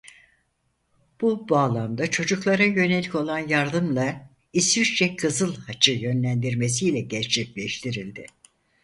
Bu bağlamda çocuklara yönelik olan yardımla İsviçre Kızıl Haç'ı yönlendirmesiyle gerçekleştirildi.